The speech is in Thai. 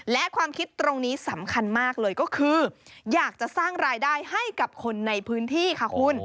และความคิดตรงนี้สำคัญมากเลยก็คืออยากจะสร้างรายได้ให้กับคนในพื้นที่ค่ะคุณ